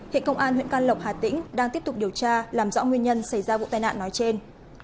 hiện công an huyện can lộc hà tĩnh đang tiếp tục điều tra làm rõ nguyên nhân xảy ra vụ tai nạn nói trên